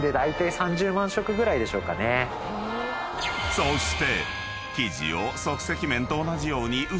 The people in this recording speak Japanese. ［そして］